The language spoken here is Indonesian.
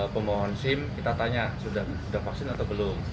pemohon sim kita tanya sudah vaksin atau belum